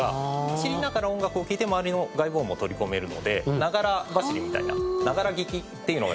走りながら音楽を聴いて周りの外部音も取り込めるのでながら走りみたいなながら聴きっていうのができます。